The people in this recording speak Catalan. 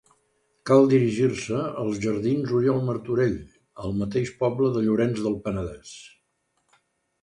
Cal dirigir-se als jardins Oriol Martorell, al mateix poble de Llorenç del Penedès.